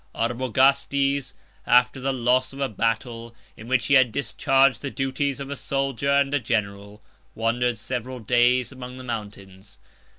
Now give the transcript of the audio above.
Arbogastes, after the loss of a battle, in which he had discharged the duties of a soldier and a general, wandered several days among the mountains.